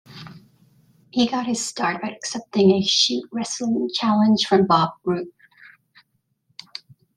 He got his start by accepting a "shoot" wrestling challenge from Bob Roop.